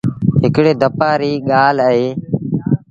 هڪڙي دپآ ري ڳآل اهي۔